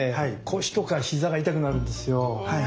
腰とか膝が痛くなるんですよ。